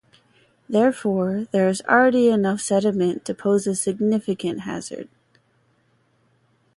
Therefore, there is already enough sediment to pose a significant hazard.